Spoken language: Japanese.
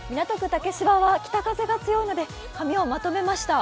竹芝は北風が強いので髪をまとめました。